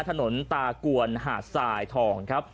ถนนตากวนหาดทรายทองครับ